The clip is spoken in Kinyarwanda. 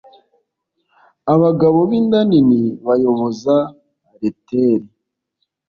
Abagabo b' inda nini bayoboza Leteri!